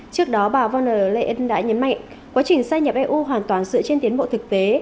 trước đó bà voner leyen đã nhấn mạnh quá trình gia nhập eu hoàn toàn dựa trên tiến bộ thực tế